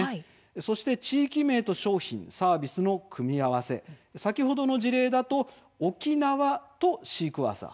そして地域名と商品サービスの組み合わせ先ほどの事例だと沖縄とシークヮーサー